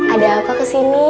ada apa kesini